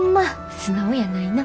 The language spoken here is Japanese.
素直やないな。